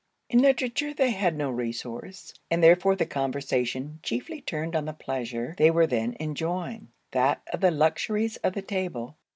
In literature they had no resource; and therefore the conversation chiefly turned on the pleasure they were then enjoying that of the luxuries of the table.